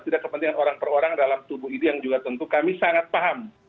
tidak kepentingan orang per orang dalam tubuh ini yang juga tentu kami sangat paham